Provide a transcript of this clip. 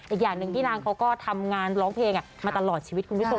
อีกอย่างหนึ่งพี่นางเขาก็ทำงานร้องเพลงมาตลอดชีวิตคุณผู้ชม